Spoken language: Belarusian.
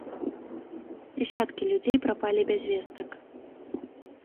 Дзесяткі людзей прапалі без вестак.